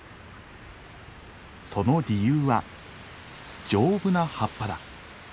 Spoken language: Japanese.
その理由は丈夫な葉っぱだ。